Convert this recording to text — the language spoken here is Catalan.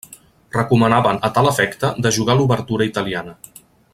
Recomanaven a tal efecte de jugar l'obertura italiana.